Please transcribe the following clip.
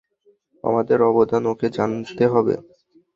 আমাদের অবদান ওকে জানতে হবে।